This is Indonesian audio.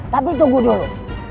tapi tunggu dulu